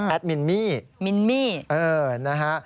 แอดมินมี่นะฮะ